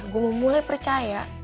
gue mau mulai percaya